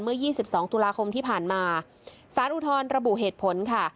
เมื่อยี่สิบสองตุลาคมที่ผ่านมาสารอุทรระบุเหตุผลค่ะ